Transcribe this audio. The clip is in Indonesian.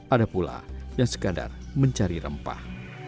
ada pula yang sekadar mencari rempah